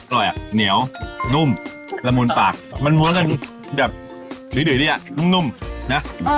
อร่อยอ่ะเหนียวนุ่มละมูลปากมันม้วนกันแบบหรือหรือดิอ่ะนุ่มนุ่มเนี้ย